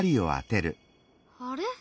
あれ？